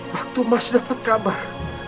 waktu mas dapet kabar